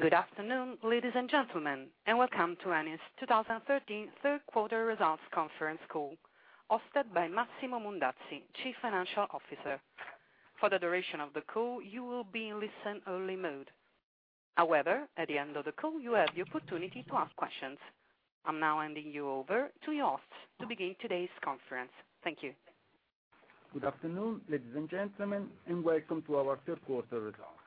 Good afternoon, ladies and gentlemen, welcome to Eni's 2013 third quarter results conference call, hosted by Massimo Mondazzi, Chief Financial Officer. For the duration of the call, you will be in listen only mode. At the end of the call, you have the opportunity to ask questions. I am now handing you over to your host to begin today's conference. Thank you. Good afternoon, ladies and gentlemen, welcome to our third quarter results.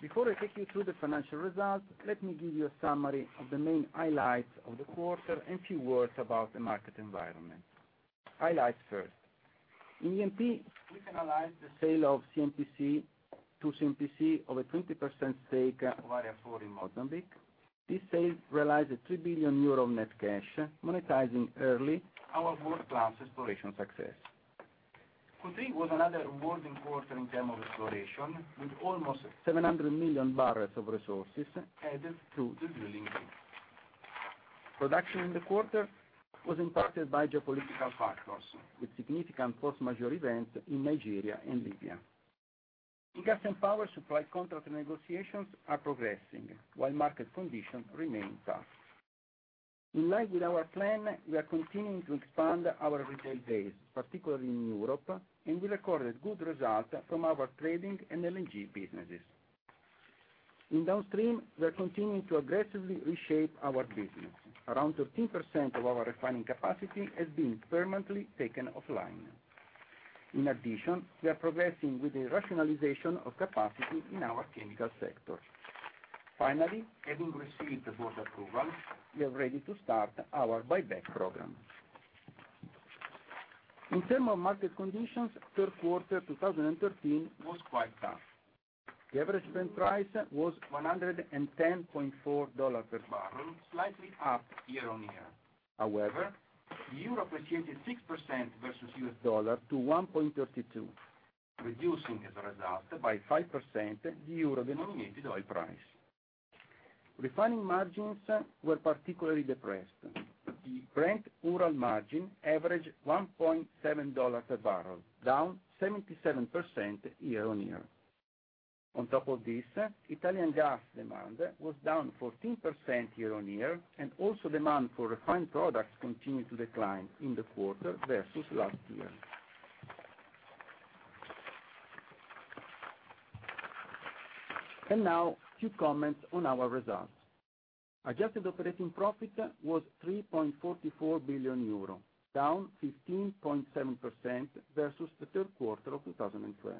Before I take you through the financial results, let me give you a summary of the main highlights of the quarter and few words about the market environment. Highlights first. In E&P, we finalized the sale of CNPC to CNPC of a 20% stake of Area 4 in Mozambique. This sale realized a 3 billion euro net cash, monetizing early our world-class exploration success. Q3 was another rewarding quarter in term of exploration, with almost 700 million barrels of resources added to the drilling team. Production in the quarter was impacted by geopolitical factors, with significant force majeure events in Nigeria and Libya. In gas and power, supply contract negotiations are progressing while market conditions remain tough. In line with our plan, we are continuing to expand our retail base, particularly in Europe, and we recorded good results from our trading and LNG businesses. In Downstream, we are continuing to aggressively reshape our business. Around 13% of our refining capacity has been permanently taken offline. In addition, we are progressing with the rationalization of capacity in our chemical sector. Having received the board approval, we are ready to start our buyback program. In term of market conditions, third quarter 2013 was quite tough. The average Brent price was $110.40 per barrel, slightly up year-on-year. The euro appreciated 6% versus U.S. dollar to 1.32, reducing as a result by 5% the euro-denominated oil price. Refining margins were particularly depressed. The Brent-Ural margin averaged $1.70 a barrel, down 77% year-on-year. On top of this, Italian gas demand was down 14% year-on-year, also demand for refined products continued to decline in the quarter versus last year. Now, few comments on our results. Adjusted operating profit was 3.44 billion euro, down 15.7% versus the third quarter of 2012.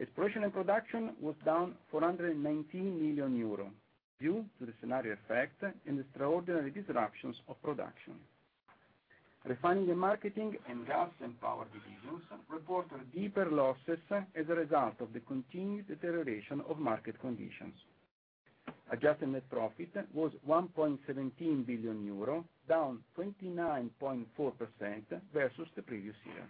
Exploration and production was down 419 million euro, due to the scenario effect and extraordinary disruptions of production. Refining and marketing and gas and power divisions reported deeper losses as a result of the continued deterioration of market conditions. Adjusted net profit was 1.17 billion euro, down 29.4% versus the previous year.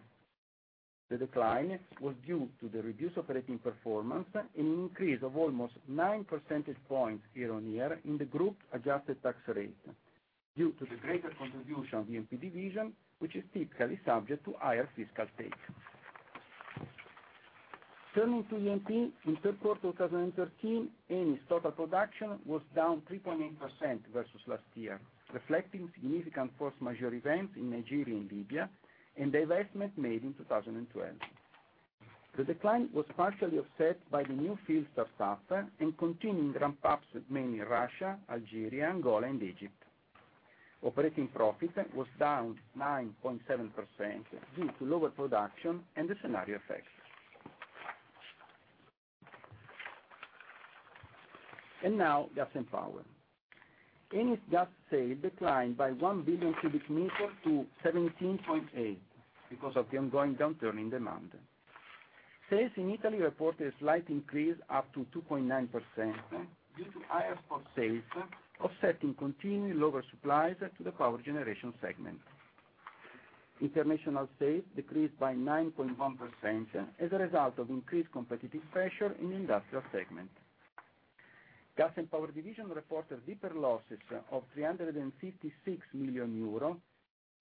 The decline was due to the reduced operating performance and an increase of almost nine percentage points year-on-year in the group adjusted tax rate due to the greater contribution of the E&P division, which is typically subject to higher fiscal take. Turning to E&P, in third quarter 2013, Eni's total production was down 3.8% versus last year, reflecting significant force majeure events in Nigeria and Libya and the divestment made in 2012. The decline was partially offset by the new field start up and continuing ramp-ups mainly in Russia, Algeria, Angola, and Egypt. Operating profit was down 9.7% due to lower production and the scenario effects. Now, Gas and Power. Eni's gas sale declined by 1 billion cubic meter to 17.8 because of the ongoing downturn in demand. Sales in Italy reported a slight increase up to 2.9% due to higher spot sales offsetting continued lower supplies to the power generation segment. International sales decreased by 9.1% as a result of increased competitive pressure in the industrial segment. Gas and Power division reported deeper losses of 356 million euro,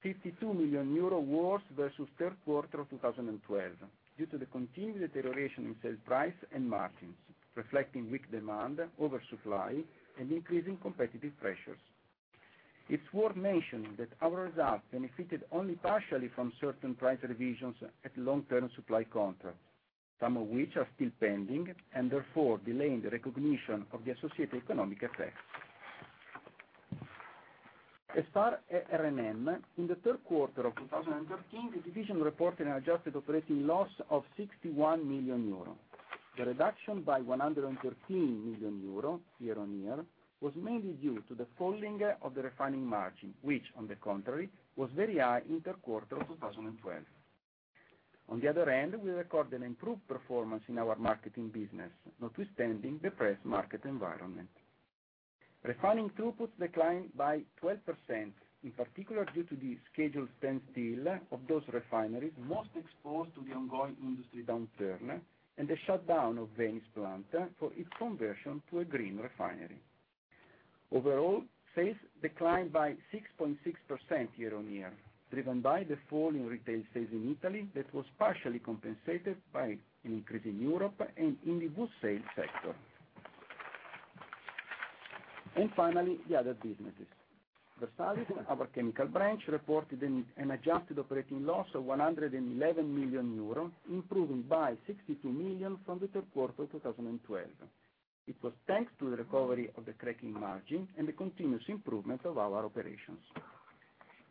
52 million euro worse versus third quarter of 2012 due to the continued deterioration in sales price and margins, reflecting weak demand, oversupply, and increasing competitive pressures. It's worth mentioning that our results benefited only partially from certain price revisions at long-term supply contracts, some of which are still pending and therefore delaying the recognition of the associated economic effects. As far as R&M, in the third quarter of 2013, the division reported an adjusted operating loss of 61 million euro. The reduction by 113 million euro year-on-year was mainly due to the falling of the refining margin, which, on the contrary, was very high in the third quarter of 2012. On the other hand, we recorded an improved performance in our marketing business, notwithstanding depressed market environment. Refining throughput declined by 12%, in particular due to the scheduled standstill of those refineries most exposed to the ongoing industry downturn and the shutdown of Venice plant for its conversion to a green refinery. Overall, sales declined by 6.6% year-on-year, driven by the fall in retail sales in Italy, that was partially compensated by an increase in Europe and in the wood sales sector. Finally, the other businesses. Versalis, our chemical branch, reported an adjusted operating loss of 111 million euros, improving by 62 million from the third quarter of 2012. It was thanks to the recovery of the cracking margin and the continuous improvement of our operations.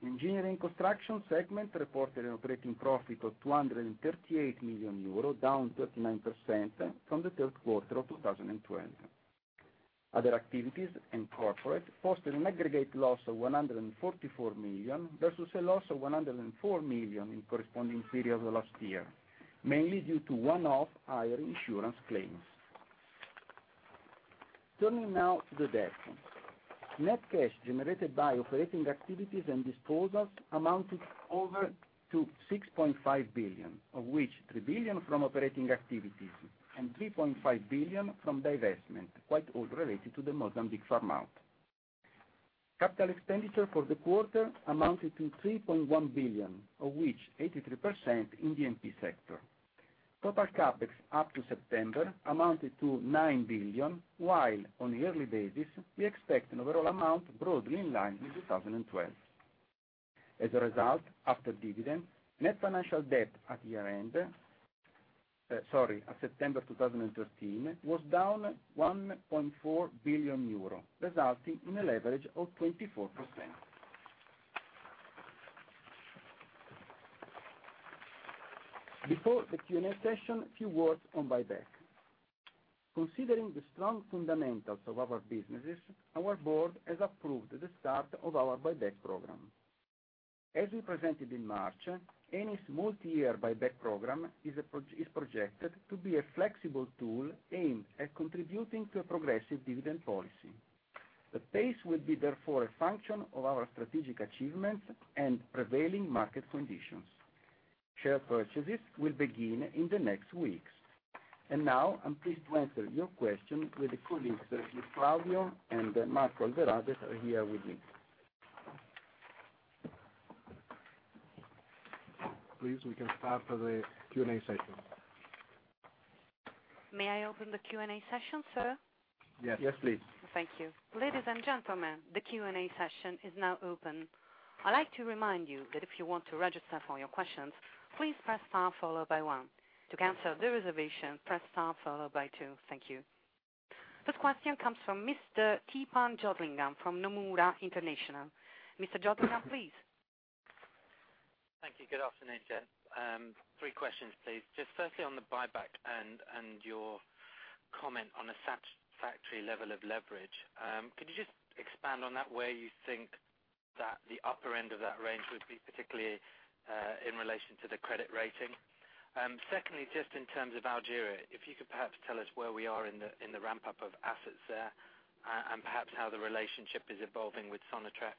Engineering construction segment reported an operating profit of 238 million euro, down 39% from the third quarter of 2012. Other activities and corporate posted an aggregate loss of 144 million versus a loss of 104 million in corresponding period of last year, mainly due to one-off higher insurance claims. Turning now to the debt. Net cash generated by operating activities and disposals amounted over to 6.5 billion, of which 3 billion from operating activities and 3.5 billion from divestment, quite all related to the Mozambique farm out. Capital expenditure for the quarter amounted to 3.1 billion, of which 83% in the E&P sector. Total CapEx up to September amounted to 9 billion, while on a yearly basis, we expect an overall amount broadly in line with 2012. As a result, after dividend, net financial debt at September 2013 was down 1.4 billion euro, resulting in a leverage of 24%. Before the Q&A session, a few words on buyback. Considering the strong fundamentals of our businesses, our board has approved the start of our buyback program. As we presented in March, Eni's multi-year buyback program is projected to be a flexible tool aimed at contributing to a progressive dividend policy. The pace will be therefore a function of our strategic achievements and prevailing market conditions. Share purchases will begin in the next weeks. Now I'm pleased to answer your question with colleagues, Claudio and Marco Alverà that are here with me. Please, we can start the Q&A session. May I open the Q&A session, sir? Yes, please. Thank you. Ladies and gentlemen, the Q&A session is now open. I'd like to remind you that if you want to register for your questions, please press star followed by one. To cancel the reservation, press star followed by two. Thank you. First question comes from Mr. Theepan Jothilingam from Nomura International. Mr. Jothilingam, please. Thank you. Good afternoon, gents. Three questions, please. Just firstly on the buyback and your comment on a satisfactory level of leverage. Could you just expand on that, where you think that the upper end of that range would be, particularly in relation to the credit rating? Secondly, just in terms of Algeria, if you could perhaps tell us where we are in the ramp-up of assets there, perhaps how the relationship is evolving with Sonatrach.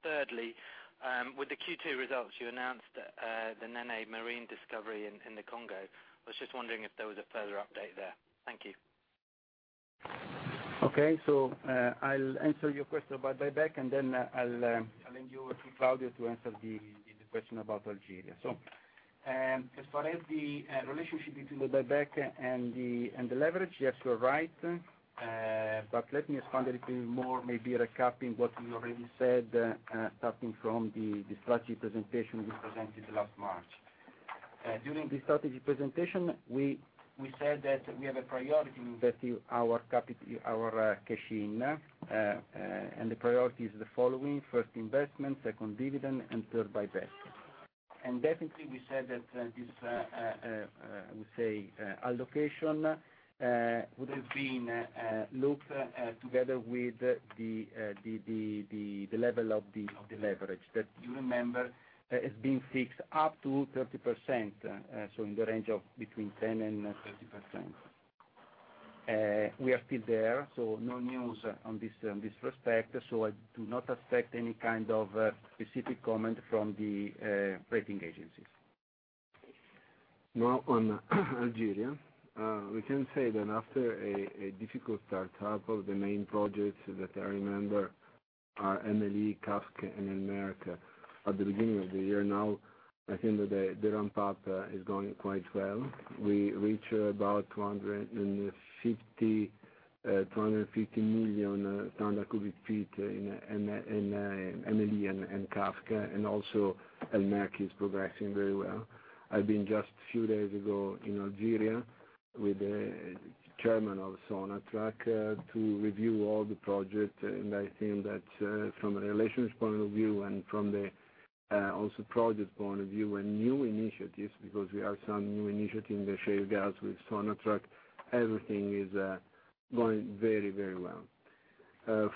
Thirdly, with the Q2 results, you announced the Nené Marine discovery in The Congo. I was just wondering if there was a further update there. Thank you. Okay. I'll answer your question about buyback, then I'll hand you to Claudio to answer the question about Algeria. As far as the relationship between the buyback and the leverage, yes, you're right. Let me expand a little bit more, maybe recapping what we already said, starting from the strategy presentation we presented last March. During the strategy presentation, we said that we have a priority to invest our cash in, and the priority is the following: first investment, second dividend, and third buyback. Definitely, we said that this, I would say, allocation would have been looked together with the level of the leverage that you remember has been fixed up to 30%, in the range of between 10% and 30%. We are still there, no news on this respect. I do not expect any kind of specific comment from the rating agencies. On Algeria. We can say that after a difficult start, half of the main projects, that I remember, are MLE, CAFC, and El Merk at the beginning of the year. I think that the ramp-up is going quite well. We reach about 250 million standard cubic feet in MLE and CAFC, and also El Merk is progressing very well. I've been just a few days ago in Algeria with the chairman of Sonatrach to review all the projects, and I think that from a relations point of view and from the project point of view and new initiatives, because we have some new initiatives in the shale gas with Sonatrach, everything is going very well.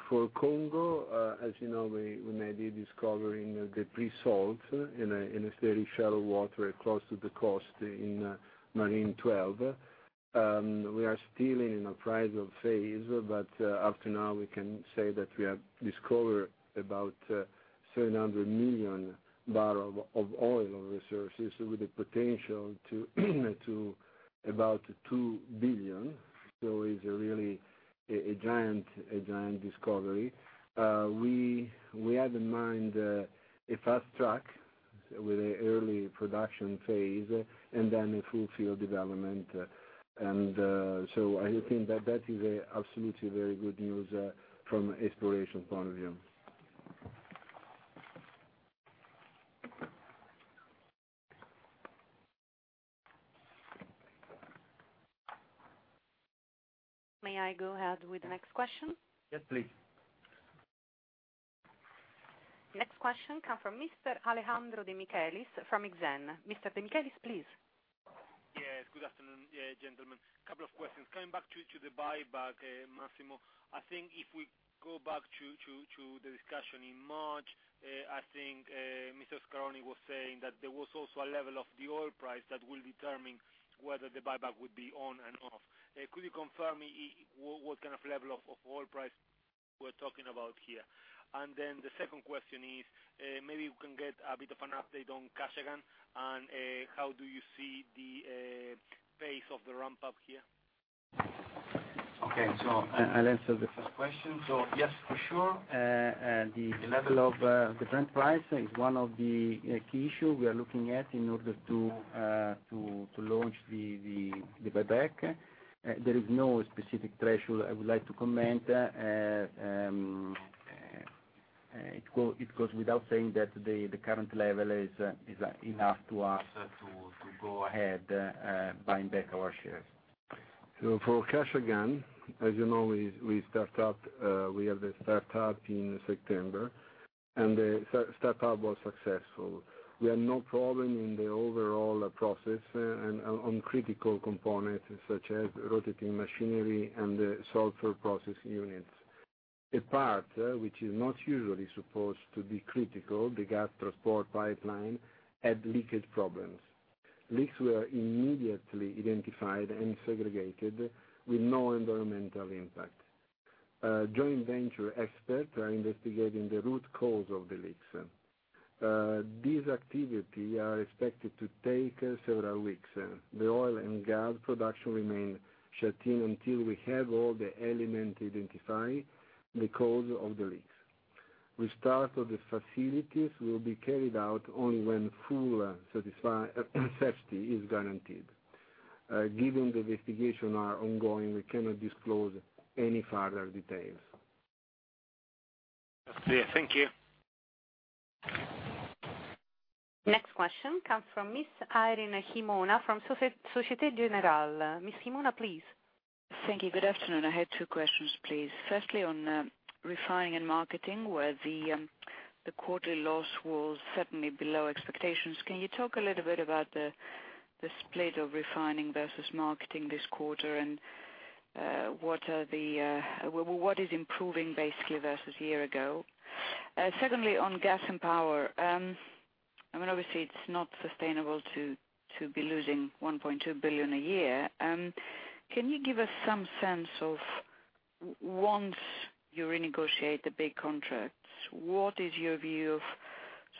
For Congo, as you know, we made a discovery in the pre-salt in a very shallow water close to the coast in Marine XII. We are still in appraisal phase, up to now, we can say that we have discovered about 700 million barrels of oil resources with the potential to About 2 billion. It's really a giant discovery. We had in mind a fast track with an early production phase, then a full field development. I think that is absolutely very good news from exploration point of view. May I go ahead with the next question? Yes, please. Next question comes from Mr. Alejandro De Michelis from Exane. Mr. De Michelis, please. Yes. Good afternoon, gentlemen. Couple of questions. Coming back to the buyback, Massimo. I think if we go back to the discussion in March, I think Mr. Scaroni was saying that there was also a level of the oil price that will determine whether the buyback would be on and off. Could you confirm what kind of level of oil price we're talking about here? The second question is, maybe we can get a bit of an update on Kashagan, and how do you see the pace of the ramp-up here? Okay. I'll answer the first question. Yes, for sure, the level of the current price is one of the key issue we are looking at in order to launch the buyback. There is no specific threshold I would like to comment. It goes without saying that the current level is enough to us to go ahead buying back our shares. For Kashagan, as you know, we had the startup in September. The startup was successful. We had no problem in the overall process and on critical components such as rotating machinery and the sulfur process units. A part which is not usually supposed to be critical, the gas transport pipeline, had leakage problems. Leaks were immediately identified and segregated with no environmental impact. Joint venture experts are investigating the root cause of the leaks. This activity is expected to take several weeks. The oil and gas production remain shut in until we have all the elements to identify the cause of the leaks. Restart of the facilities will be carried out only when full safety is guaranteed. Given the investigation is ongoing, we cannot disclose any further details. Okay, thank you. Next question comes from Miss Irene Himona from Societe Generale. Miss Himona, please. Thank you. Good afternoon. I had two questions, please. Firstly, on refining and marketing, where the quarterly loss was certainly below expectations, can you talk a little bit about the split of refining versus marketing this quarter and what is improving basically versus a year ago? Secondly, on gas and power, obviously it's not sustainable to be losing 1.2 billion a year. Can you give us some sense of once you renegotiate the big contracts, what is your view of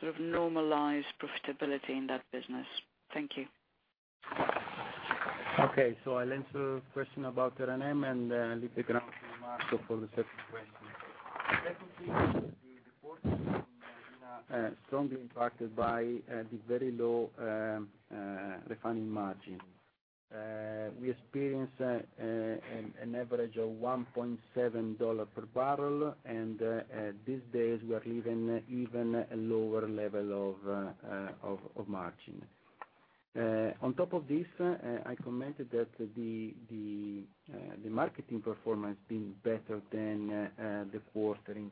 sort of normalized profitability in that business? Thank you. I'll answer the question about R&M and leave the ground to Marco for the second question. Secondly, the report is strongly impacted by the very low refining margin. We experience an average of $1.70 per barrel, and these days we are leaving even a lower level of margin. On top of this, I commented that the marketing performance being better than the quarter in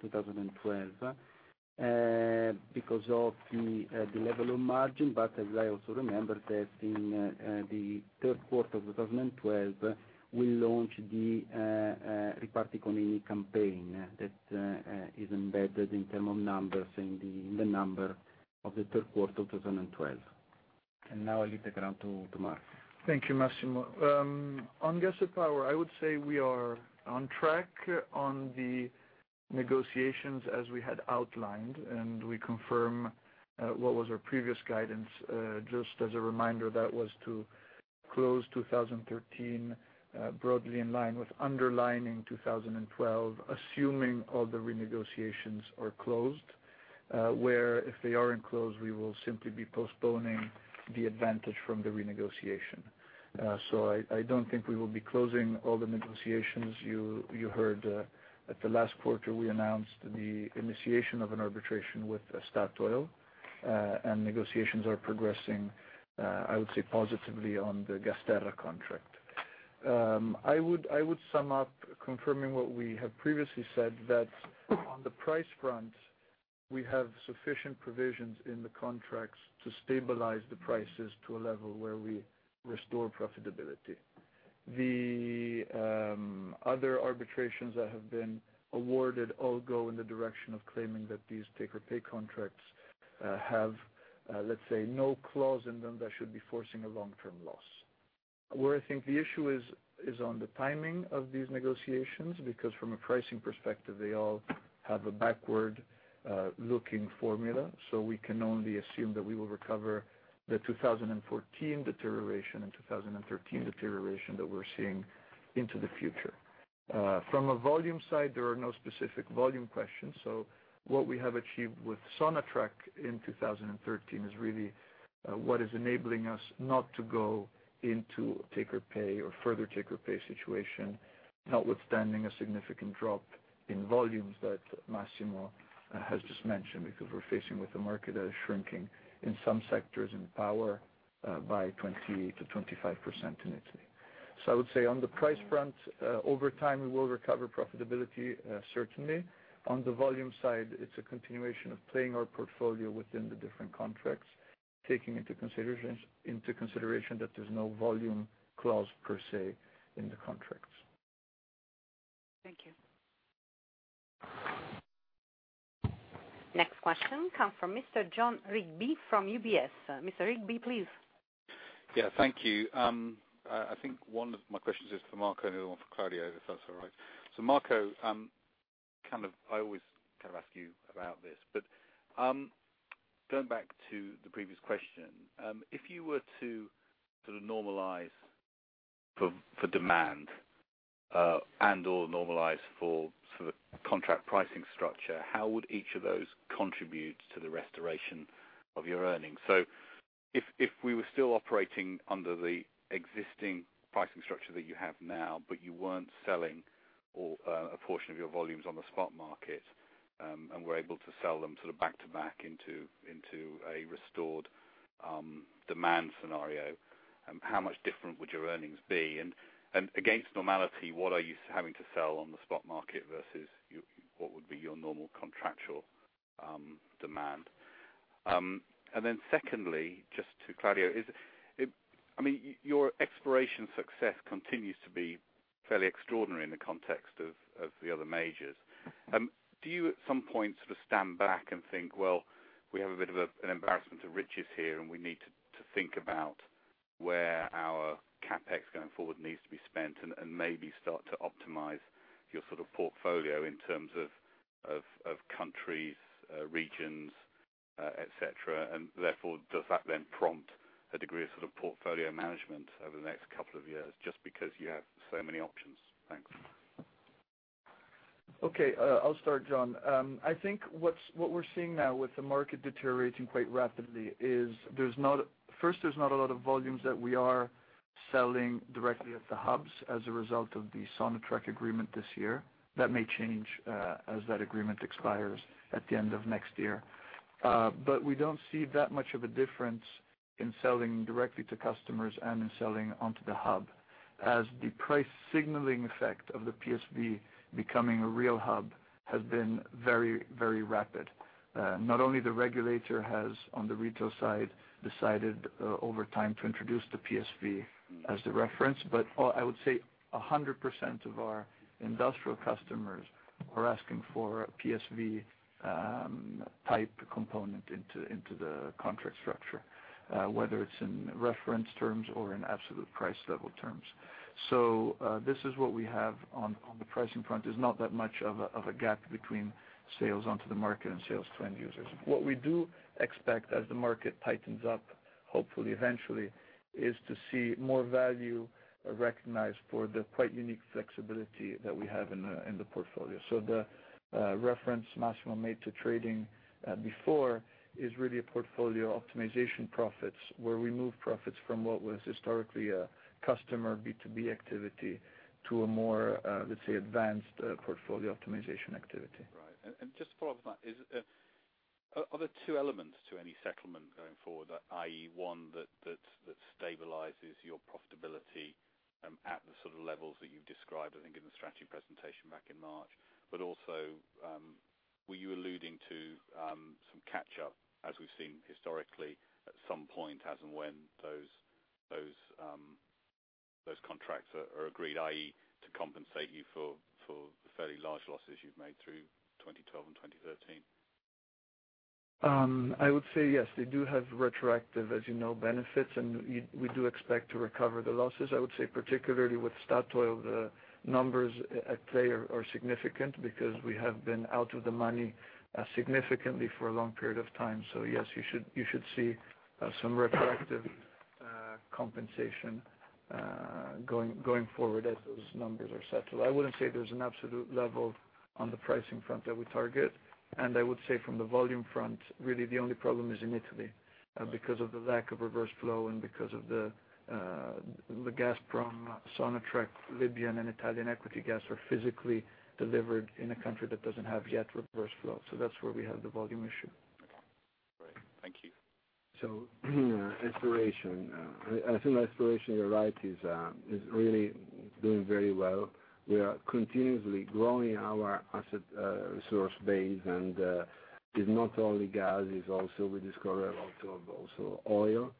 2012 because of the level of margin, but as I also remember that in the third quarter of 2012, we launched the Riparti con Eni campaign that is embedded in term of numbers in the number of the third quarter 2012. Now I leave the ground to Marco. Thank you, Massimo. On gas and power, I would say we are on track on the negotiations as we had outlined, and we confirm what was our previous guidance. Just as a reminder, that was to close 2013 broadly in line with underlying 2012, assuming all the renegotiations are closed, where if they aren't closed, we will simply be postponing the advantage from the renegotiation. I don't think we will be closing all the negotiations. You heard at the last quarter we announced the initiation of an arbitration with Statoil, and negotiations are progressing, I would say, positively on the GasTerra contract. I would sum up confirming what we have previously said, that on the price front, we have sufficient provisions in the contracts to stabilize the prices to a level where we restore profitability. The other arbitrations that have been awarded all go in the direction of claiming that these take-or-pay contracts have, let's say, no clause in them that should be forcing a long-term loss. Where I think the issue is on the timing of these negotiations, because from a pricing perspective, they all have a backward-looking formula. We can only assume that we will recover the 2014 deterioration and 2013 deterioration that we're seeing into the future. From a volume side, there are no specific volume questions. What we have achieved with Sonatrach in 2013 is really what is enabling us not to go into take-or-pay or further take-or-pay situation, notwithstanding a significant drop in volumes that Massimo has just mentioned, because we're facing with a market that is shrinking in some sectors in power, by 20%-25% in Italy. I would say on the price front, over time, we will recover profitability, certainly. On the volume side, it's a continuation of playing our portfolio within the different contracts, taking into consideration that there's no volume clause per se in the contracts. Thank you. Next question come from Mr. Jon Rigby from UBS. Mr. Rigby, please. Yeah. Thank you. I think one of my questions is for Marco and the other one for Claudio, if that's all right. Marco, I always ask you about this, but going back to the previous question, if you were to normalize for demand, and/or normalize for contract pricing structure, how would each of those contribute to the restoration of your earnings? Against normality, what are you having to sell on the spot market versus what would be your normal contractual demand? Secondly, just to Claudio, your exploration success continues to be fairly extraordinary in the context of the other majors. Do you at some point stand back and think, well, we have a bit of an embarrassment of riches here, and we need to think about where our CapEx going forward needs to be spent and maybe start to optimize your portfolio in terms of countries, regions, et cetera. Therefore, does that then prompt a degree of portfolio management over the next couple of years just because you have so many options? Thanks. Okay. I'll start, Jon. I think what we're seeing now with the market deteriorating quite rapidly is, first, there's not a lot of volumes that we are selling directly at the hubs as a result of the Sonatrach agreement this year. That may change as that agreement expires at the end of next year. We don't see that much of a difference in selling directly to customers and in selling onto the hub, as the price signaling effect of the PSV becoming a real hub has been very rapid. Not only the regulator has, on the retail side, decided over time to introduce the PSV as the reference, but I would say 100% of our industrial customers are asking for a PSV type component into the contract structure, whether it's in reference terms or in absolute price level terms. This is what we have on the pricing front. There's not that much of a gap between sales onto the market and sales to end users. What we do expect as the market tightens up, hopefully eventually, is to see more value recognized for the quite unique flexibility that we have in the portfolio. The reference Massimo made to trading before is really a portfolio optimization profits, where we move profits from what was historically a customer B2B activity to a more, let's say, advanced portfolio optimization activity. Right. Just to follow up on that, are there two elements to any settlement going forward, i.e., one that stabilizes your profitability at the sort of levels that you've described, I think, in the strategy presentation back in March, Also, were you alluding to some catch up as we've seen historically at some point as and when those contracts are agreed, i.e., to compensate you for the fairly large losses you've made through 2012 and 2013? I would say yes, they do have retroactive, as you know, benefits, and we do expect to recover the losses. I would say particularly with Statoil, the numbers at play are significant because we have been out of the money significantly for a long period of time. Yes, you should see some retroactive compensation going forward as those numbers are settled. I wouldn't say there's an absolute level on the pricing front that we target, and I would say from the volume front, really the only problem is in Italy because of the lack of reverse flow and because of the gas from Sonatrach, Libyan and Italian equity gas are physically delivered in a country that doesn't have yet reverse flow. That's where we have the volume issue. Okay. All right. Thank you. Exploration. I think exploration, you're right, is really doing very well. We are continuously growing our asset resource base and it's not only gas, it's also we discover a lot of also oil.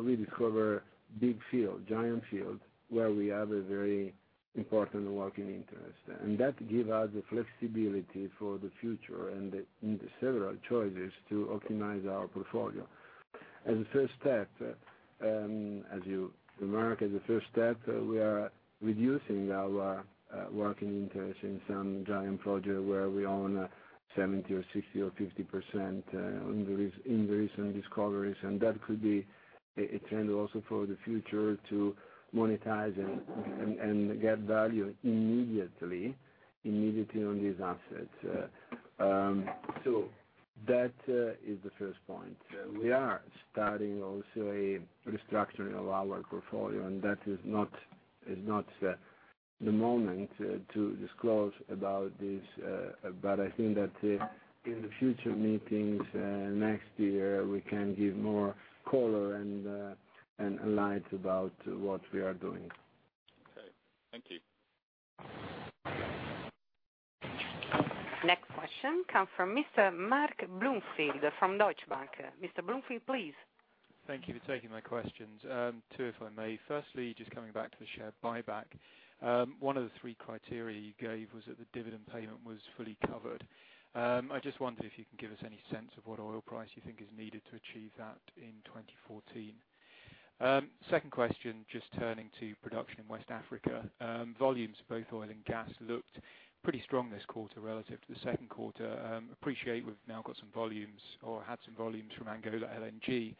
We discover big field, giant field, where we have a very important working interest. That give us the flexibility for the future and the several choices to optimize our portfolio. As a first step, we are reducing our working interest in some giant projects where we own 70% or 60% or 50% in the recent discoveries. That could be a trend also for the future to monetize and get value immediately on these assets. That is the first point. We are starting also a restructuring of our portfolio, and that is not the moment to disclose about this. I think that in the future meetings next year, we can give more color and light about what we are doing. Okay. Thank you. Next question comes from Mr. Mark Bloomfield from Deutsche Bank. Mr. Bloomfield, please. Thank you for taking my questions. Two, if I may. Firstly, just coming back to the share buyback. One of the three criteria you gave was that the dividend payment was fully covered. I just wonder if you can give us any sense of what oil price you think is needed to achieve that in 2014. Second question, just turning to production in West Africa. Volumes, both oil and gas, looked pretty strong this quarter relative to the second quarter. Appreciate we've now got some volumes or had some volumes from Angola LNG.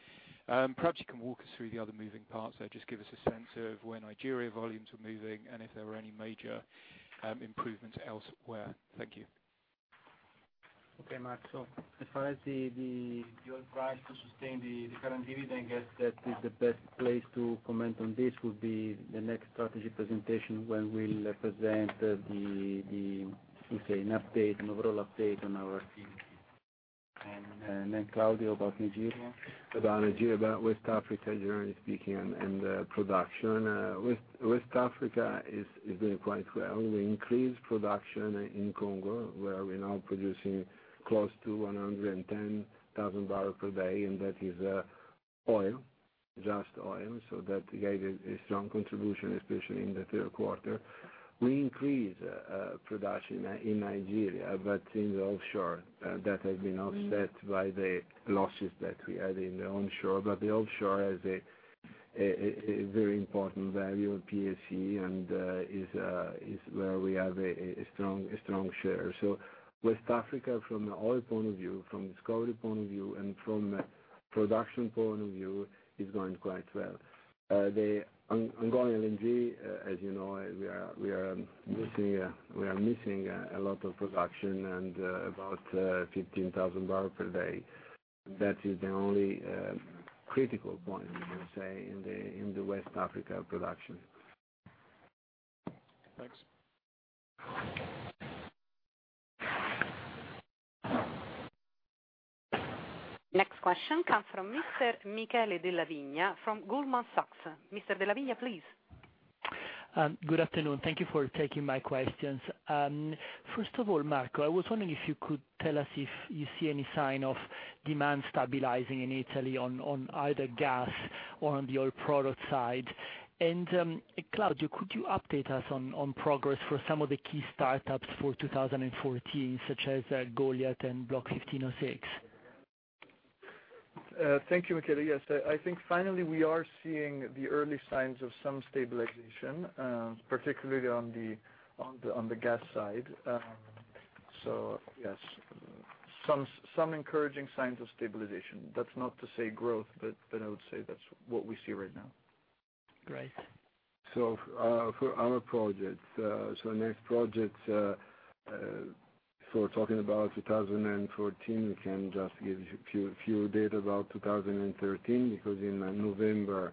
Perhaps you can walk us through the other moving parts there. Just give us a sense of where Nigeria volumes were moving and if there were any major improvements elsewhere. Thank you. Okay, Mark. As far as the oil price to sustain the current dividend goes, I guess that the best place to comment on this would be the next strategy presentation when we'll present an overall update on our activity. Claudio, about Nigeria? About Nigeria, about West Africa generally speaking, and production. West Africa is doing quite well. We increased production in Congo, where we're now producing close to 110,000 barrels per day, and that is oil, just oil. That gave a strong contribution, especially in the third quarter. We increased production in Nigeria, but in the offshore. That has been offset by the losses that we had in the onshore, but the offshore has a very important value of PSC and is where we have a strong share. West Africa from the oil point of view, from discovery point of view, and from production point of view, is going quite well. The Angola LNG, as you know, we are missing a lot of production and about 15,000 barrels per day. That is the only critical point, we can say, in the West Africa production. Thanks. Next question comes from Mr. Michele Della Vigna from Goldman Sachs. Mr. Della Vigna, please. Good afternoon. Thank you for taking my questions. First of all, Marco, I was wondering if you could tell us if you see any sign of demand stabilizing in Italy on either gas or on the oil product side. Claudio, could you update us on progress for some of the key startups for 2014, such as Goliat and Block 1506? Thank you, Michele. Yes. I think finally we are seeing the early signs of some stabilization, particularly on the gas side. Yes, some encouraging signs of stabilization. That's not to say growth, but I would say that's what we see right now. Great. For our projects, so next projects, if we're talking about 2014, we can just give you a few data about 2013, because in November,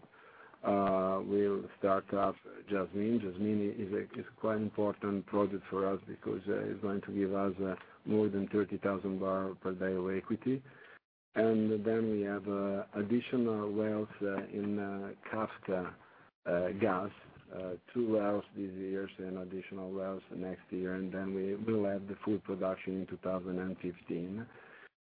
we'll start up Jasmine. Jasmine is a quite important project for us because it's going to give us more than 30,000 barrels per day of equity. Then we have additional wells in CAFC Gas, two wells this year and additional wells next year, and then we will have the full production in 2015.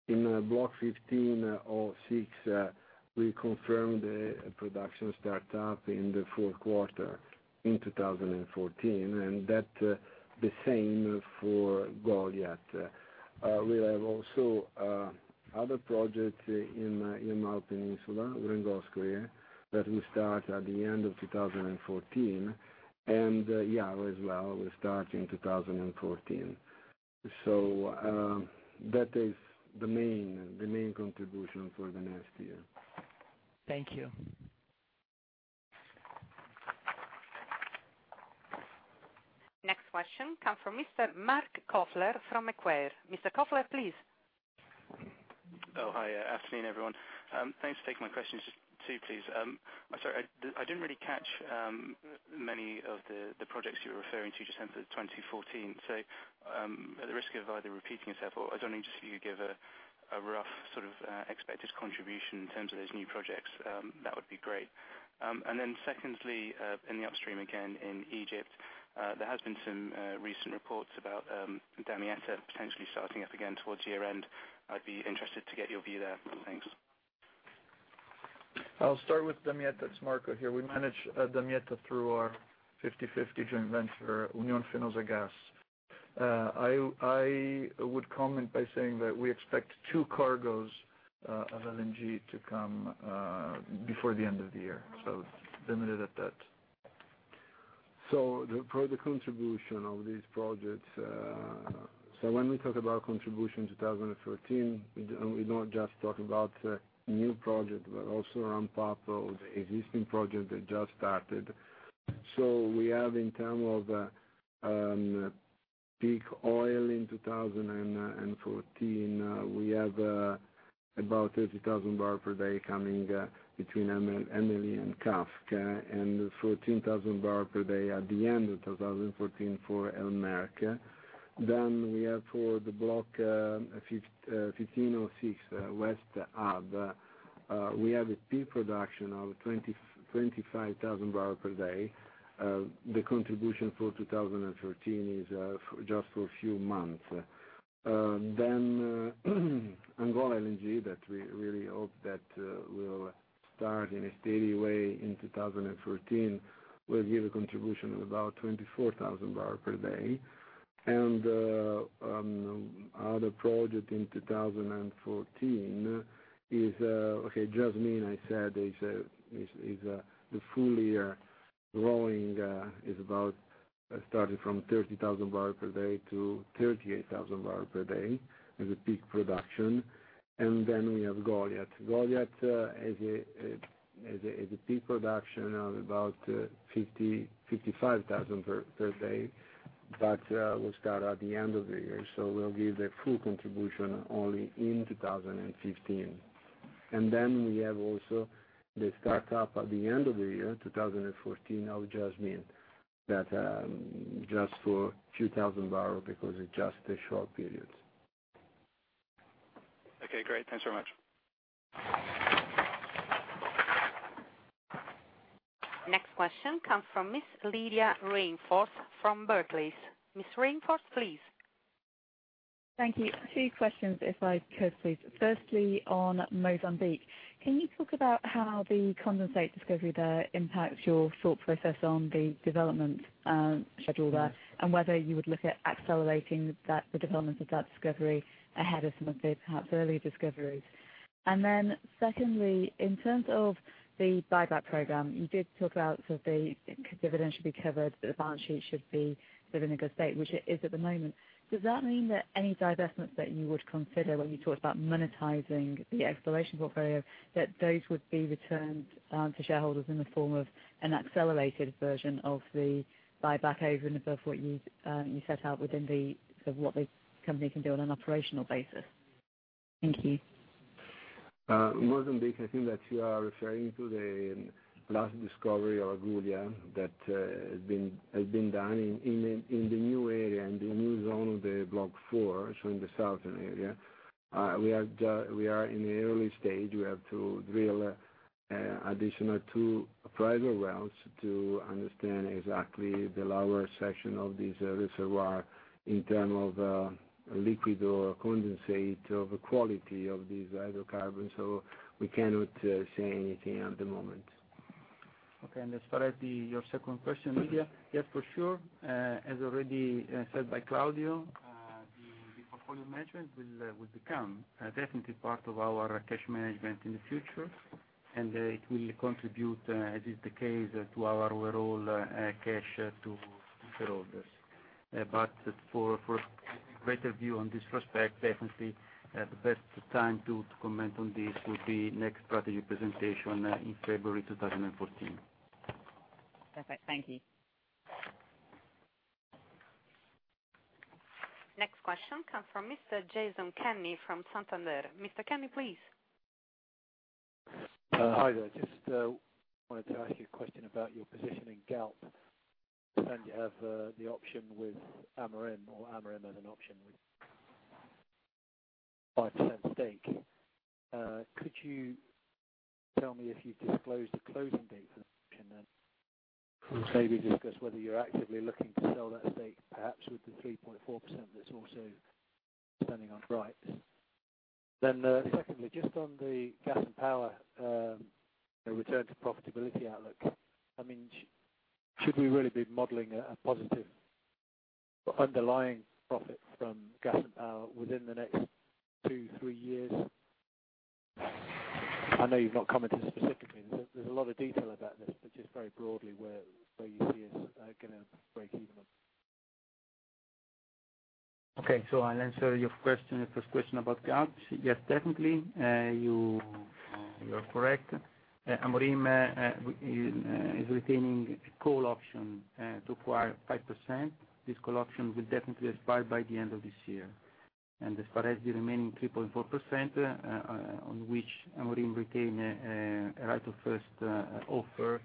In Block 1506, we confirmed the production start up in the fourth quarter in 2014. That the same for Goliat. We have also other projects in Yamal Peninsula, Wrangel Sea, that will start at the end of 2014. [inaudible] as well, will start in 2014. That is the main contribution for the next year. Thank you. Next question comes from Mr. Marc Kofler from Macquarie. Mr. Kofler, please. Oh, hi. Afternoon, everyone. Thanks for taking my questions. Just two, please. I'm sorry, I didn't really catch many of the projects you were referring to just now for 2014. At the risk of either repeating yourself, or I don't know, just you give a rough sort of expected contribution in terms of those new projects, that would be great. Secondly, in the upstream again, in Egypt, there has been some recent reports about Damietta potentially starting up again towards year-end. I'd be interested to get your view there. Thanks. I'll start with Damietta. It's Marco here. We manage Damietta through our 50/50 joint venture, Union Fenosa Gas. I would comment by saying that we expect two cargoes of LNG to come before the end of the year. Limited at that. For the contribution of these projects, when we talk about contribution 2014, we don't just talk about new project, but also ramp up of the existing project that just started. We have in term of peak oil in 2014, we have about 30,000 barrel per day coming between Emily and Cabaça, and 14,000 barrel per day at the end of 2014 for Almirante. We have for the Block 1506 West Hub, we have a peak production of 25,000 barrel per day. The contribution for 2014 is just for a few months. Angola LNG that we really hope that will start in a steady way in 2014, will give a contribution of about 24,000 barrel per day. Other project in 2014 is, Jasmine, I said, the fully rolling is about starting from 30,000 barrel per day to 38,000 barrel per day as a peak production. We have Goliat. Goliat has a peak production of about 55,000 per day, will start at the end of the year. Will give the full contribution only in 2015. We have also the start up at the end of the year 2014 of Jasmine. That just for a few thousand barrel because it's just a short period. Okay, great. Thanks very much. Next question comes from Miss Lydia Rainforth from Barclays. Miss Rainforth, please. Thank you. Two questions, if I could, please. Firstly, on Mozambique, can you talk about how the condensate discovery there impacts your thought process on the development schedule there, and whether you would look at accelerating the development of that discovery ahead of some of the perhaps earlier discoveries? Secondly, in terms of the buyback program, you did talk about the dividend should be covered, the balance sheet should be within a good state, which it is at the moment. Does that mean that any divestments that you would consider when you talked about monetizing the exploration portfolio, that those would be returned to shareholders in the form of an accelerated version of the buyback over and above what you set out within the, sort of what the company can do on an operational basis? Thank you. Mozambique, I think that you are referring to the last discovery of Coral that has been done in the new area, in the new zone of the Area 4, so in the southern area. We are in the early stage. We have to drill additional two appraisal wells to understand exactly the lower section of this reservoir in terms of liquid or condensate of quality of these hydrocarbons. We cannot say anything at the moment. Okay, as far as your second question, Lydia, yes, for sure. As already said by Claudio, the portfolio management will become definitely part of our cash management in the future, it will contribute, as is the case, to our overall cash to shareholders. For greater view on this prospect, definitely the best time to comment on this will be next strategy presentation in February 2014. Perfect. Thank you. Next question comes from Mr. Jason Kenny from Santander. Mr. Kenny, please. Hi there. Just wanted to ask you a question about your position in Galp. I understand you have the option with Amorim, or Amorim has an option with 5% stake. Could you tell me if you've disclosed a closing date for the option then? Maybe discuss whether you're actively looking to sell that stake, perhaps with the 3.4% that's also standing on rights. Secondly, just on the gas and power return to profitability outlook, should we really be modeling a positive underlying profit from gas and power within the next two, three years? I know you've not commented specifically. There's a lot of detail about this, but just very broadly where you see us getting break even on this. Okay, I'll answer your first question about Galp. Yes, technically, you are correct. Amorim is retaining a call option to acquire 5%. This call option will definitely expire by the end of this year. As far as the remaining 3.4% on which Amorim retain a right of first offer,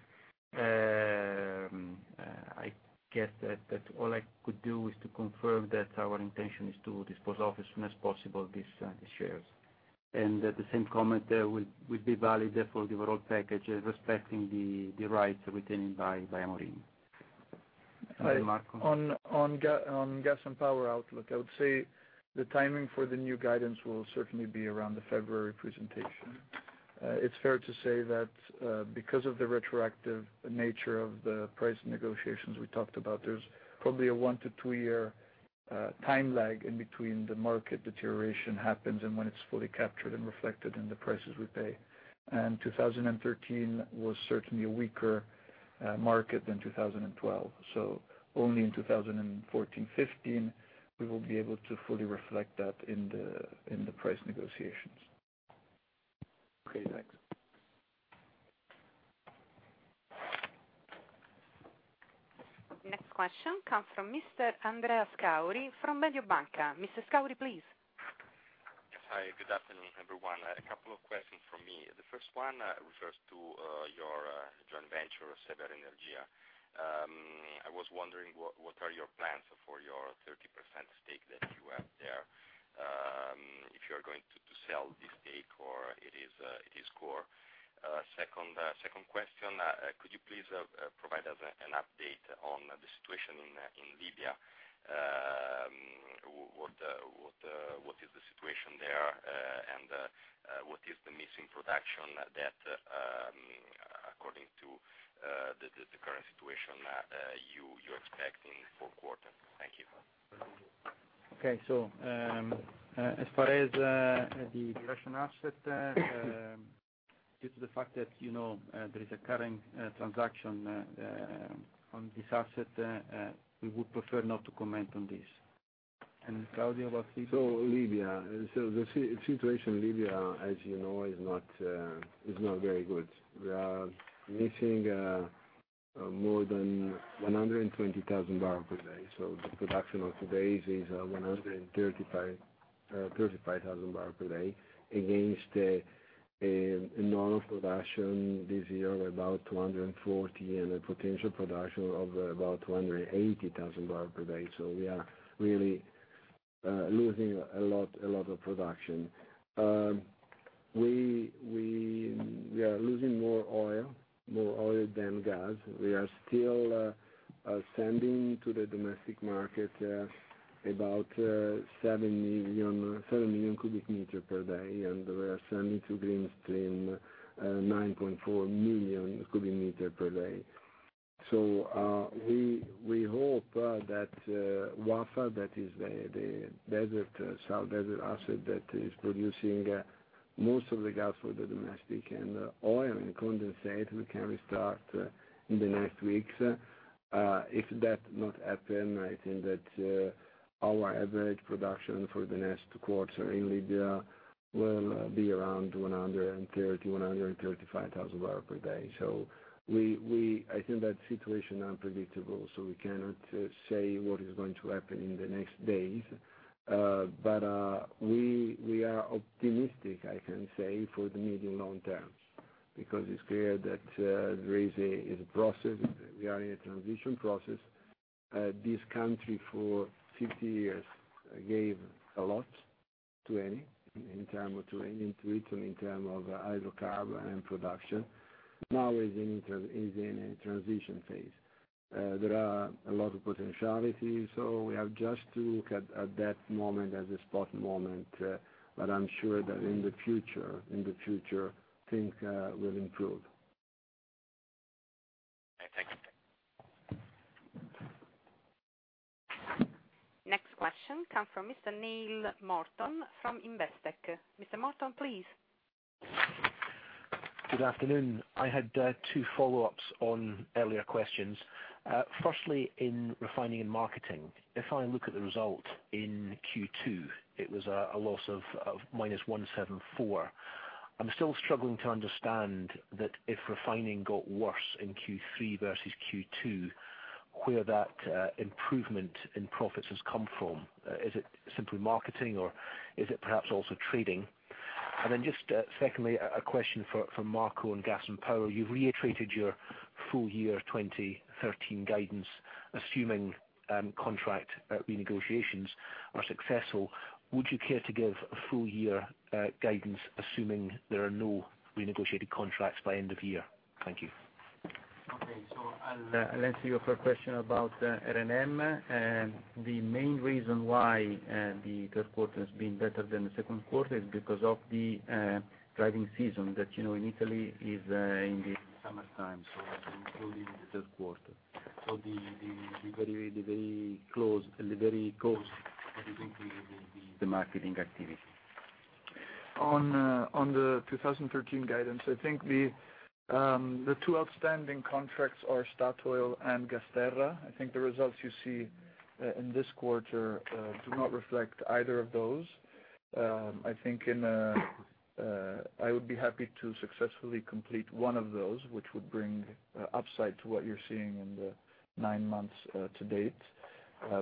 I guess that all I could do is to confirm that our intention is to dispose of as soon as possible these shares. The same comment will be valid for the overall package respecting the rights retaining by Amorim. Marco? On gas and power outlook, I would say the timing for the new guidance will certainly be around the February presentation. It's fair to say that because of the retroactive nature of the price negotiations we talked about, there's probably a 1-2 year time lag in between the market deterioration happens and when it's fully captured and reflected in the prices we pay. 2013 was certainly a weaker market than 2012. Only in 2014, 2015, we will be able to fully reflect that in the price negotiations. Okay, thanks. Next question comes from Mr. Andrea Scauri from Mediobanca. Mr. Scauri, please. Hi, good afternoon, everyone. A couple of questions from me. The first one refers to your joint venture, SeverEnergia. I was wondering, what are your plans for your 30% stake that you have there? If you're going to sell this stake or it is core? Second question, could you please provide us an update on the situation in Libya? What is the situation there, and what is the missing production that, according to the current situation, you're expecting in fourth quarter? Thank you. As far as the Russian asset, due to the fact that there is a current transaction on this asset, we would prefer not to comment on this. Claudio, what about Libya? Libya. The situation in Libya, as you know, is not very good. We are missing more than 120,000 barrel per day. The production of today is 135,000 barrel per day against a normal production this year of about 240 and a potential production of about 280,000 barrel per day. We are really losing a lot of production. We are losing more oil than gas. We are still sending to the domestic market about 7 million cubic meter per day, and we are sending to GreenStream 9.4 million cubic meter per day. We hope that Wafa, that is the desert, South Desert asset that is producing most of the gas for the domestic, and oil and condensate, we can restart in the next weeks. If that not happen, I think that our average production for the next quarter in Libya will be around 130,000-135,000 barrel per day. I think that situation unpredictable, so we cannot say what is going to happen in the next days. We are optimistic, I can say, for the medium-long term, because it's clear that there is a process. We are in a transition process. This country for 50 years gave a lot to Eni in term of hydrocarbon and production. Now is in a transition phase. There are a lot of potentiality. We have just to look at that moment as a spot moment. I'm sure that in the future, things will improve. Okay, thanks. Next question comes from Mr. Neill Morton from Investec. Mr. Morton, please. Good afternoon. I had two follow-ups on earlier questions. Firstly, in refining and marketing, if I look at the result in Q2, it was a loss of -174. I'm still struggling to understand that if refining got worse in Q3 versus Q2, where that improvement in profits has come from. Is it simply marketing or is it perhaps also trading? Secondly, a question for Marco on gas and power. You've reiterated your full year 2013 guidance, assuming contract renegotiations are successful. Would you care to give full year guidance, assuming there are no renegotiated contracts by end of year? Thank you. I'll answer your first question about R&M. The main reason why the third quarter has been better than the second quarter is because of the driving season that in Italy is in the summertime, so including the third quarter. The very close delivery cost is included in the marketing activity. On the 2013 guidance, I think the two outstanding contracts are Statoil and GasTerra. I think the results you see in this quarter do not reflect either of those. I think I would be happy to successfully complete one of those, which would bring upside to what you're seeing in the nine months to date. I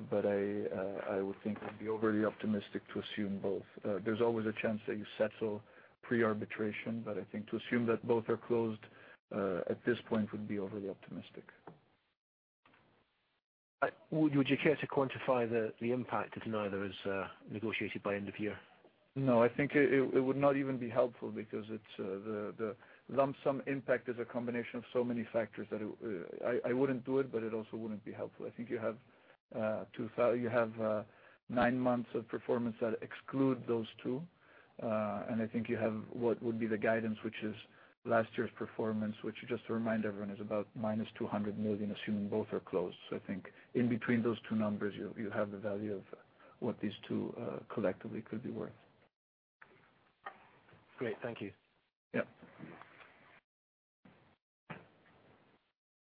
would think it would be overly optimistic to assume both. There's always a chance that you settle pre-arbitration, I think to assume that both are closed, at this point, would be overly optimistic. Would you care to quantify the impact if neither is negotiated by end of year? No, I think it would not even be helpful because the lump sum impact is a combination of so many factors that I wouldn't do it, but it also wouldn't be helpful. I think you have nine months of performance that exclude those two. I think you have what would be the guidance, which is last year's performance, which just to remind everyone, is about minus 200 million, assuming both are closed. I think in between those two numbers, you have the value of what these two collectively could be worth. Great. Thank you. Yes.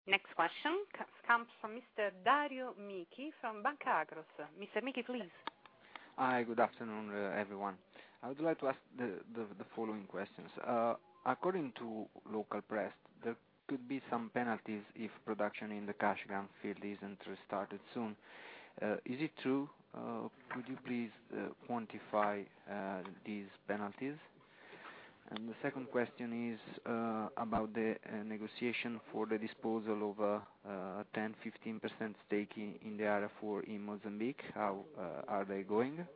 Next question comes from Mr. Dario Michi from Banca Akros. Mr. Michi, please. Hi, good afternoon, everyone. I would like to ask the following questions. According to local press, there could be some penalties if production in the Kashagan field isn't restarted soon. Is it true? Could you please quantify these penalties? The second question is about the negotiation for the disposal of a 10%-15% stake in the Area 4 in Mozambique. How are they going?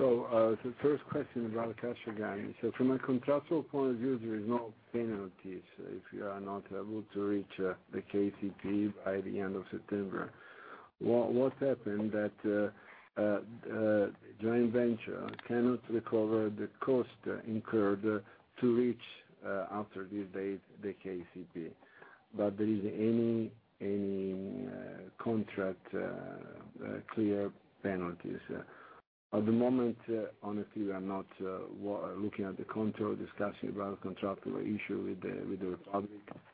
The first question about Kashagan. From a contractual point of view, there is no penalties if you are not able to reach the KCPE by the end of September. What happened that the joint venture cannot recover the cost incurred to reach after this date, the KCPE, but there isn't any contract clear penalties. At the moment, honestly, we are not looking at the contract, discussing about contractual issue with the Republic.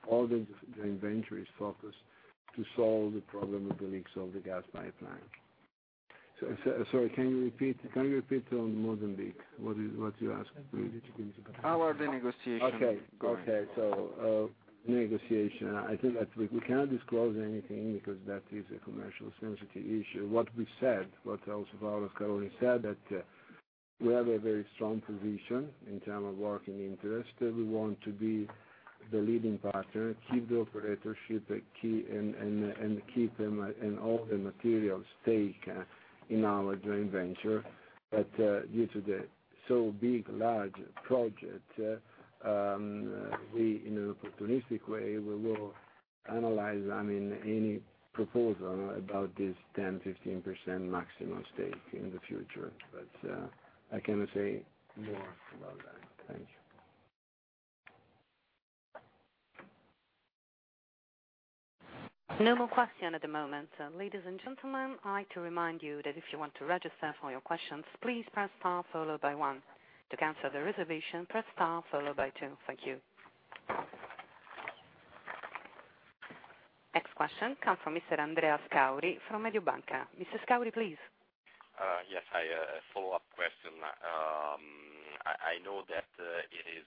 All the joint venture is focused to solve the problem of the leaks of the gas pipeline. Sorry, can you repeat on Mozambique, what you asked? How are the negotiations going? Negotiation. I think that we cannot disclose anything because that is a commercial sensitive issue. What we said, what also Paolo Scaroni said, that we have a very strong position in term of working interest, and we want to be the leading partner, keep the operatorship, and keep all the material stake in our joint venture. Due to the so big, large project, we, in an opportunistic way, we will analyze any proposal about this 10, 15% maximum stake in the future. I cannot say more about that. Thank you. No more question at the moment. Ladies and gentlemen, I like to remind you that if you want to register for your questions, please press star followed by one. To cancel the reservation, press star followed by two. Thank you. Next question come from Mr. Andrea Scauri from Mediobanca. Mr. Scauri, please. Yes. A follow-up question. I know that it is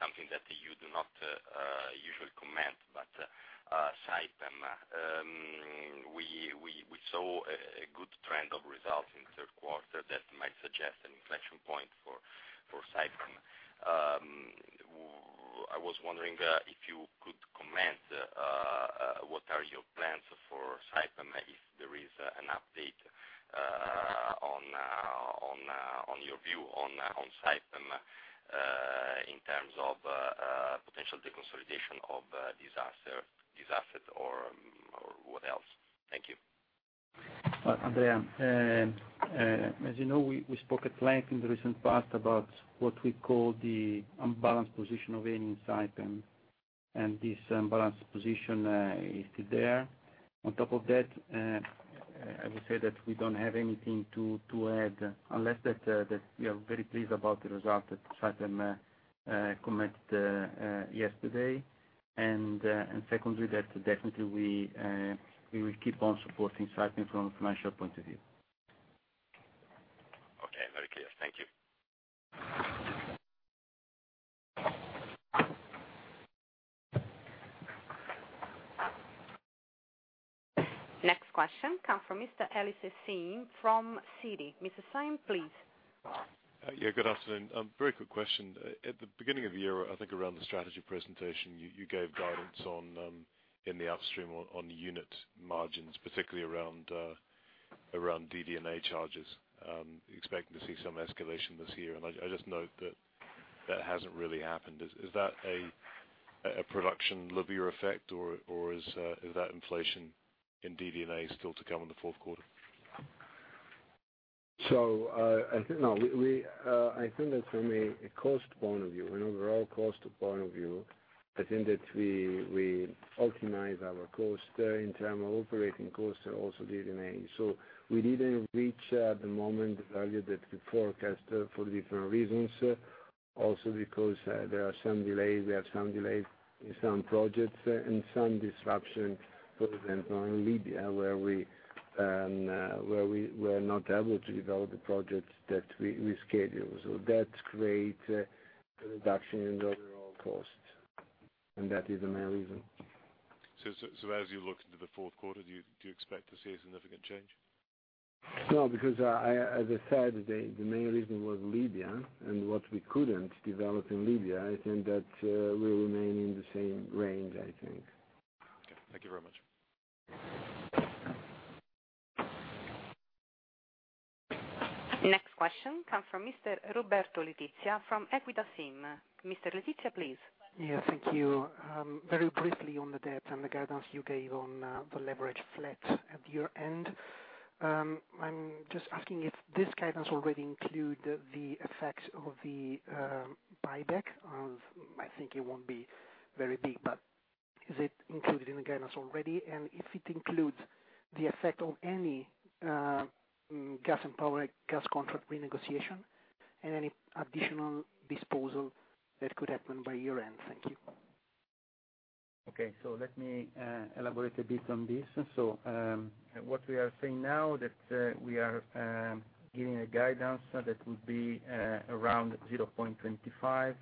something that you do not usually comment, Saipem. We saw a good trend of results in third quarter that might suggest an inflection point for Saipem. I was wondering if you could comment, what are your plans for Saipem, if there is an update on your view on Saipem, in terms of potential deconsolidation of these assets or what else? Thank you. Andrea, as you know, we spoke at length in the recent past about what we call the unbalanced position of Eni and Saipem, this unbalanced position is still there. On top of that, I would say that we don't have anything to add, unless that we are very pleased about the result that Saipem committed yesterday. Secondly, that definitely we will keep on supporting Saipem from a financial point of view. Okay, very clear. Thank you. Next question come from Mr. Ellis Essien from Citi. Mr. Essien, please. Yeah, good afternoon. Very quick question. At the beginning of the year, I think around the strategy presentation, you gave guidance in the upstream on unit margins, particularly around DD&A charges, expecting to see some escalation this year. I just note that that hasn't really happened. Is that a production lever effect, or is that inflation in DD&A still to come in the fourth quarter? I think that from a cost point of view, an overall cost point of view, I think that we optimize our cost in term of operating cost, also DD&A. We didn't reach at the moment the value that we forecast for different reasons. Also because there are some delays. We have some delays in some projects and some disruption, for example, in Libya, where we were not able to develop the projects that we schedule. That create a reduction in the overall cost. That is the main reason. As you look into the fourth quarter, do you expect to see a significant change? No, because as I said, the main reason was Libya and what we couldn't develop in Libya. I think that we'll remain in the same range, I think. Okay. Thank you very much. The next question comes from Mr. Roberto Letizia from Equita SIM. Mr. Letizia, please. Thank you. Very briefly on the debt and the guidance you gave on the leverage flat at year-end. I am just asking if this guidance already includes the effects of the buyback. I think it won't be very big, but is it included in the guidance already? If it includes the effect of any gas and power gas contract renegotiation and any additional disposal that could happen by year-end. Thank you. Let me elaborate a bit on this. What we are saying now is that we are giving a guidance that will be around 0.25,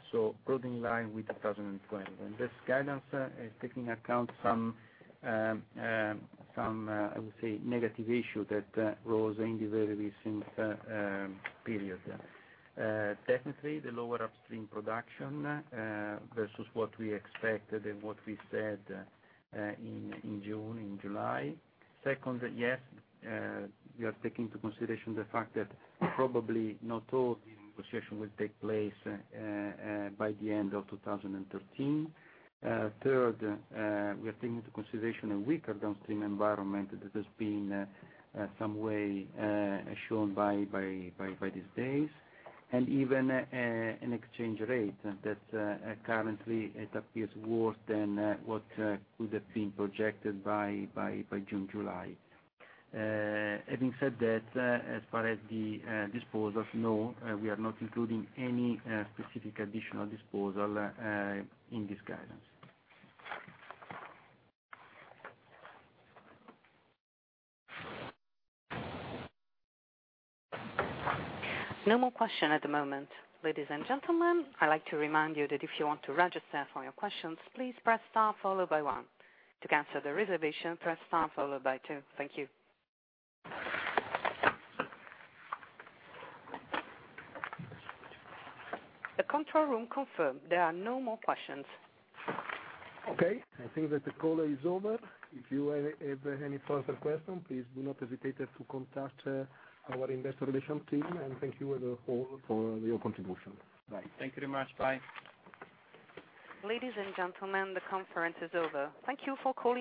good in line with 2020. This guidance is taking into account some, I would say, negative issue that rose in the very recent period. Technically, the lower upstream production versus what we expected and what we said in June, in July. Second, yes, we are taking into consideration the fact that probably not all the negotiation will take place by the end of 2013. Third, we are taking into consideration a weaker downstream environment that has been some way shown by these days, and even an exchange rate that currently appears worse than what could have been projected by June, July. Having said that, as far as the disposals, no, we are not including any specific additional disposal in this guidance. No more questions at the moment. Ladies and gentlemen, I'd like to remind you that if you want to register for your questions, please press star followed by one. To cancel the reservation, press star followed by two. Thank you. The control room confirms there are no more questions. I think that the call is over. If you have any further questions, please do not hesitate to contact our investor relations team, and thank you all for your contribution. Bye. Thank you very much. Bye. Ladies and gentlemen, the conference is over. Thank you for calling.